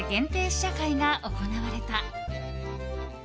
試写会が行われた。